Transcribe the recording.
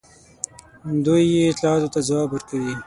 دوی دې اطلاعاتو ته ځواب ورکوي.